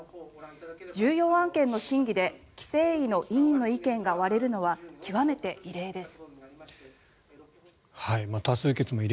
重要案件の審議で規制委の委員の意見が割れるのは極めて異例です。